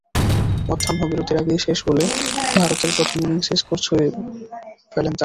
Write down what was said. মধ্যাহ্ন বিরতির আগেই শেষ বলে ভারতের প্রথম ইনিংসের স্কোর ছুঁয়ে ফেলেন তাঁরা।